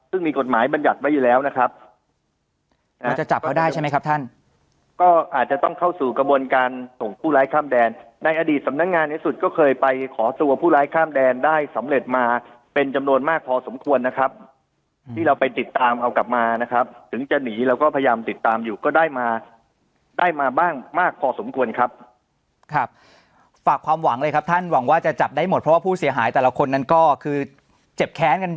โกงประชาชนร่วมกันเช่าโกงประชาชนร่วมกันเช่าโกงประชาชนร่วมกันเช่าโกงประชาชนร่วมกันเช่าโกงประชาชนร่วมกันเช่าโกงประชาชนร่วมกันเช่าโกงประชาชนร่วมกันเช่าโกงประชาชนร่วมกันเช่าโกงประชาชนร่วมกันเช่าโกงประชาชนร่วมกันเช่าโกงประชาชนร่วมกันเช่าโ